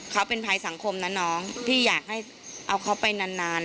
เขาเป็นภัยสังคมนะน้องพี่อยากให้เอาเขาไปนานนาน